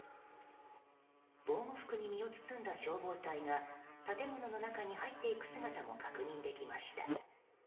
防護服に身を包んだ消防隊が建物の中に入っていく姿も確認できました。